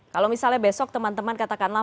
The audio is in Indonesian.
kalau misalnya besok teman teman katakanlah